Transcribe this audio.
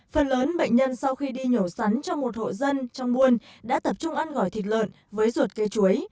phần lớn bệnh nhân sau khi đi nhổ sắn cho một hộ dân trong buôn đã tập trung ăn gỏi thịt lợn với ruột cây chuối